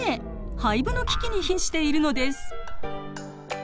廃部の危機にひんしているのです。